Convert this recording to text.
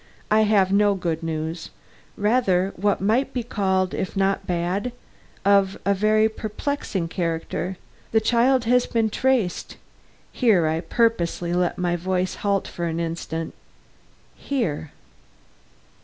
I have no good news; rather what might be called, if not bad, of a very perplexing character. The child has been traced" here I purposely let my voice halt for an instant "here."